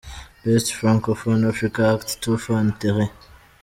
Best Francophone Africa Act Toofan – Terre.